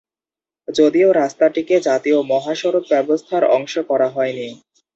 যদিও রাস্তাটিকে জাতীয় মহাসড়ক ব্যবস্থার অংশ করা হয়নি।